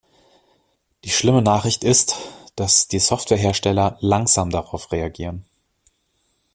Die schlimme Nachricht ist, dass die Softwarehersteller langsam darauf reagieren.